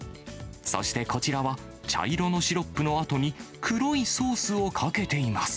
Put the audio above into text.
そしてこちらは、茶色のシロップのあとに黒いソースをかけています。